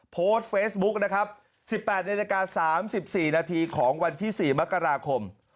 โพสต์เฟซบุ๊กนะครับ๑๘นาฬิกา๓๔นาทีของวันที่๔มกราคม